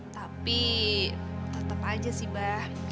tapi tetep aja sih mbak